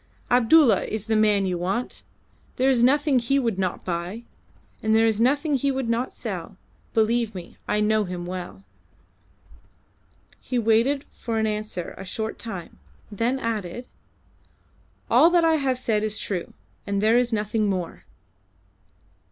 "Abdulla is the man you want. There is nothing he would not buy, and there is nothing he would not sell; believe me, I know him well." He waited for an answer a short time, then added "All that I have said is true, and there is nothing more."